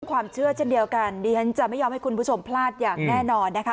ความเชื่อเช่นเดียวกันดิฉันจะไม่ยอมให้คุณผู้ชมพลาดอย่างแน่นอนนะคะ